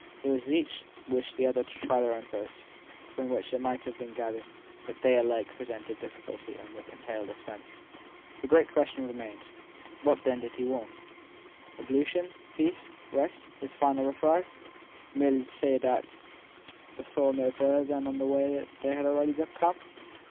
It was as if each wished the other to try her own first ; from which it might have been gathered that they alike presented difficulty and even entailed expense. The great questions remained. What then did he mean ? what then did he want ? Absolution, peace, rest, his final reprieve merely to say that saw them no further on the way than they had already come.